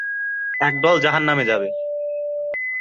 একদল জাহান্নামে যাবে।